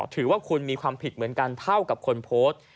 ถือว่าคุณมีความผิดเหมือนกันเท่ากับคนโพสต์